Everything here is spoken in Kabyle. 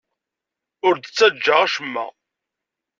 Ur d-ttaǧǧa acemma.